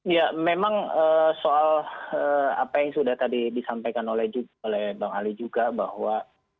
ya memang soal apa yang sudah tadi disampaikan oleh bang ali juga bahwa